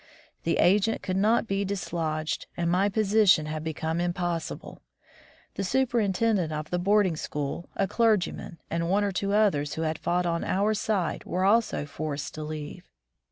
The agent could not be dislodged, and my position had be come impossible. The superintendent of the boarding school, a clergyman, and one or two others who had fought on our side were also forced to leave.